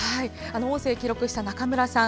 音声を記録した中村さん